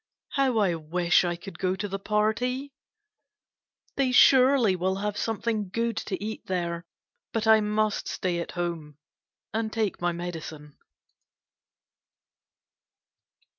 How I wish I could go to the party ! They surely will have something good to eat there, but I must stay at home and take my medicine.